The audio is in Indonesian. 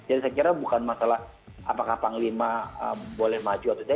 jadi saya kira bukan masalah apakah panglima boleh maju atau tidak